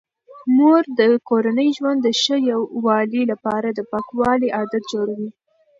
مور د کورني ژوند د ښه والي لپاره د پاکوالي عادات جوړوي.